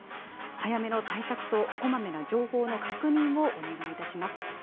早めの対策とこまめな情報の確認をお願いいたします。